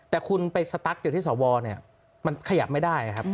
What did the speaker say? แต่คุณไปสตั๊กอยู่ที่สวเนี่ยมันขยับไม่ได้ครับ